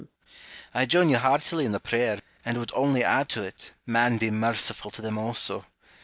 I join you heartily in the prayer, and would only add to it, Man be merciful to them also